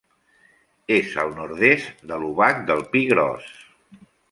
És al nord-est de l'Obac del Pi Gros.